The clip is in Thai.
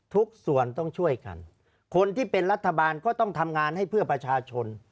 ทุกส่วนต้องช่วยกันคนที่เป็นรัฐบาลก็ต้องทำงานให้เพื่อประชาชน